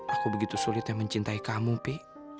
aku begitu sulitnya mencintai kamu pi